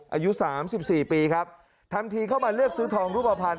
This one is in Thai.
อายุสามสิบสี่ปีครับทำทีเข้ามาเลือกซื้อทองรูปภัณฑ